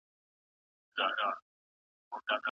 د بهرنیو چارو وزارت نړیوال قانون نه نقض کوي.